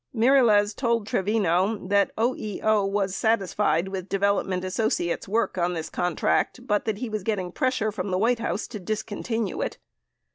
Mirilez told Trevino that OEO was satis fied with Development Associates' work on this contract but that he was getting pressure from the White House to discontinue it.